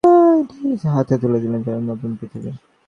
ওয়াসিম টানা দুই ঘণ্টা ধরে তাঁর হাতে তুলে দিলেন যেন নতুন পৃথিবী।